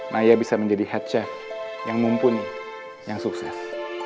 naya bisa menjadi head chef yang mumpuni yang sukses